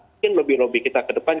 mungkin lebih lebih kita ke depan